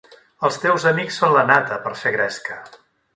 Els teus amics són la nata, per a fer gresca.